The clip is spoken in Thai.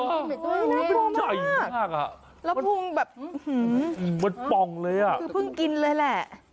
มันเจ๋ยมากอ่ะแล้วภูมิแบบหืมคือเพิ่งกินเลยแหละ